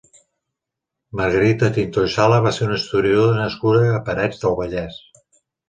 Margarita Tintó i Sala va ser una historiadora nascuda a Parets del Vallès.